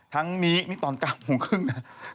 ทั้งนี้นี่ตอนกลางโมงครึ่งนะฮะ